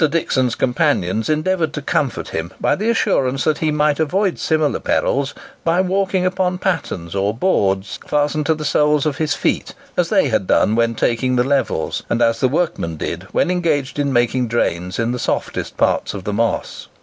Dixon's companions endeavoured to comfort him by the assurance that he might avoid similar perils, by walking upon "pattens," or boards fastened to the soles of his feet, as they had done when taking the levels, and as the workmen did when engaged in making drains in the softest parts of the Moss.